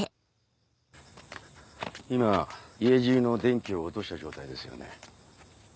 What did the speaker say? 今家中の電気を落とした状態ですよね。